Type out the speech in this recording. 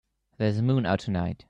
There's a moon out tonight.